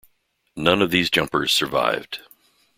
None of these jumpers survived.